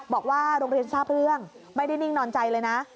บอกว่าโรงเรียนทราบเรื่องไม่ได้นิ่งนอนใจเลยนะ